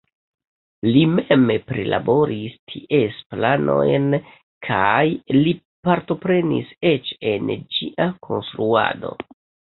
Li mem prilaboris ties planojn kaj li partoprenis eĉ en ĝia konstruado.